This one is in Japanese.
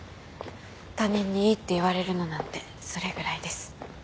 他人にいいって言われるのなんてそれぐらいです。